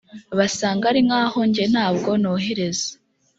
basanga ari nk aho jye nta bwo nohereza